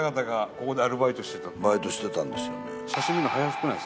バイトしてたんですよね。